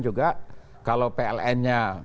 juga kalau pln nya